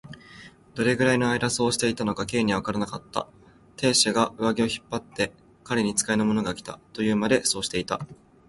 どれくらいのあいだそうしていたのか、Ｋ にはわからなかった。亭主が上衣を引っ張って、彼に使いの者がきた、というまで、そうしていた。